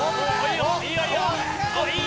いい！